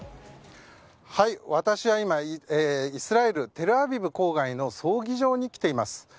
私は今、イスラエルテルアビブ郊外の葬儀場に来ています。